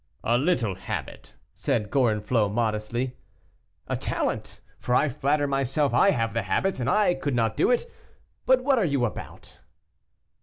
"A little habit," said Gorenflot, modestly. "And talent; for I flatter myself I have the habit, and I could not do it. But what are you about?"